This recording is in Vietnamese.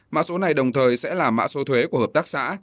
mã số này đồng thời sẽ là mã số thuế của hợp tác xã